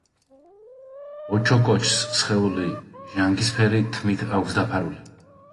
ოჩოკოჩს სხეული ჟანგისფერი თმით აქვს დაფარული.